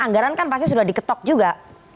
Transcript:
anggaran kan pasti sudah diketok juga